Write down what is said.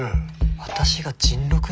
私が甚六に？